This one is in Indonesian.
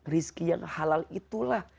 rizki yang halal itulah